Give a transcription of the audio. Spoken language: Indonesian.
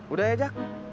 udah ya jak